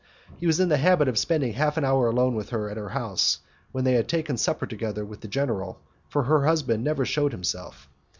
He was in the habit of spending half an hour alone with her at her own house when they had taken supper together with the general, for her husband never shewed himself.